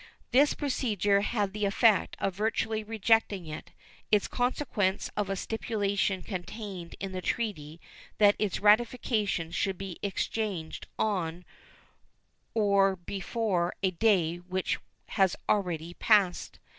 This procedure had the effect of virtually rejecting it, in consequence of a stipulation contained in the treaty that its ratifications should be exchanged on or before a day which has already passed.